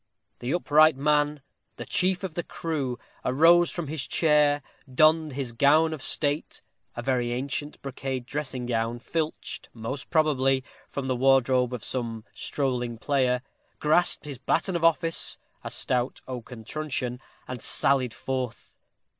The upright man, the chief of the crew, arose from his chair, donned his gown of state, a very ancient brocade dressing gown, filched, most probably, from the wardrobe of some strolling player, grasped his baton of office, a stout oaken truncheon, and sallied forth.